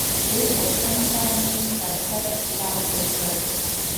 دې پوښتنې سره مې پر څټ لاس تېر کړ.